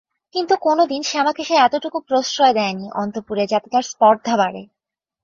কিন্তু কোনোদিন শ্যামাকে সে এতটুকু প্রশ্রয় দেয় নি অন্তঃপুরে যাতে তার স্পর্ধা বাড়ে।